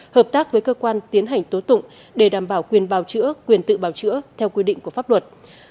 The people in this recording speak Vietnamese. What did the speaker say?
hợp tác với cơ quan tiến hành tố tụng để đảm bảo quyền bào chữa quyền tự bào chữa theo quy định của pháp luật